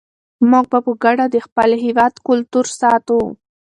موږ به په ګډه د خپل هېواد کلتور ساتو.